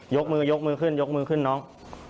ยกมือขึ้นน้อง